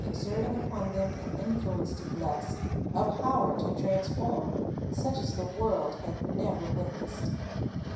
exerting upon them an influence to bless, a power to transform, such as the world had never witnessed.